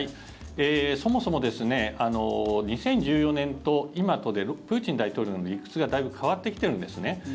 そもそも２０１４年と今とでプーチン大統領の理屈がだいぶ変わってきているんです。